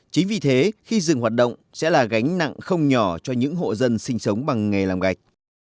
chính vì thế khi dừng hoạt động sẽ là gánh nặng không nhỏ cho những hộ dân sinh sống bằng nghề làm gạch